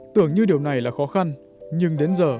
tưởng như điều này là khó khăn nhưng đến giờ